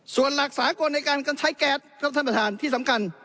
ส่วนหลักสาหกวนในการกันใช้แก๊สท่านท่านประทานที่สำคัญ